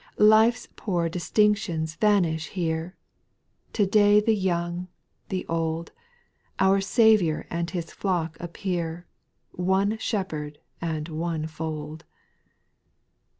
2. Life 's poor distinctions vanish here ;— To day the young, the old, Our Saviour and His flock appear, One Shepherd and one fold.